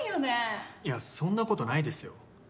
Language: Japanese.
そんなことないですよ。